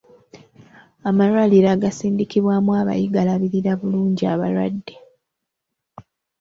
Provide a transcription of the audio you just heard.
Amalwaliro agasindikibwamu abayi galabirira bulungi abalwadde.